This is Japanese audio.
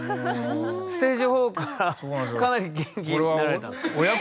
ステージ４からかなりギンギンになられたんですか？